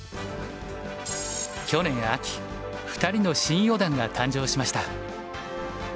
去年秋２人の新四段が誕生しました。